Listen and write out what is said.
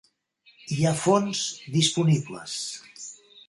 Hi ha fons disponibles.